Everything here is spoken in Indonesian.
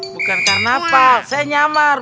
bukan karnaval saya nyamar